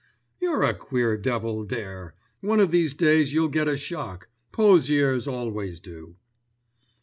"You're a queer devil, Dare. One of these days you'll get a shock—poseurs always do."